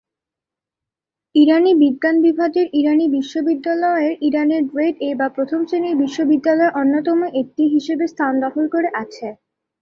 ইরানি বিজ্ঞান বিভাগের ইরানি বিশ্ববিদ্যালয়ের ইরানের "গ্রেড এ" বা প্রথম শ্রেণির বিশ্ববিদ্যালয়ের অন্যতম একটি হিসেবে স্থান দখল করে আছে।